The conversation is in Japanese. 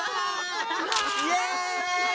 イエーイ！